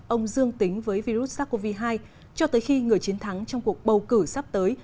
ông dương tính với virus sars cov hai cho tới khi người chiến thắng trong cuộc bầu cử sắp tới